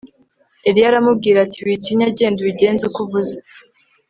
Eliya aramubwira ati Witinya genda ubigenze uko uvuze